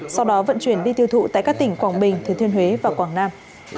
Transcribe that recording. sau đó vận chuyển đi tiêu thụ tại các tỉnh quảng bình thế thuyên huế và quảng nam